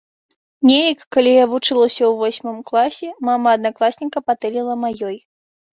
Неяк, калі я вучылася ў восьмым класе, мама аднакласніка патэліла маёй.